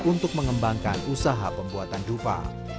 untuk mengembangkan usaha pembuatan dupa